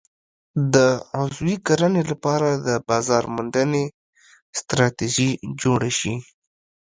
د عضوي کرنې لپاره د بازار موندنې ستراتیژي جوړه شي.